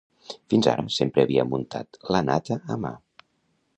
Fins ara, sempre havia muntat la nata a mà.